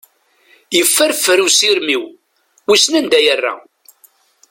Yefferfer usirem-iw, wissen anda yerra.